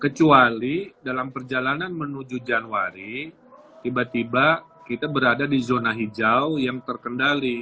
kecuali dalam perjalanan menuju januari tiba tiba kita berada di zona hijau yang terkendali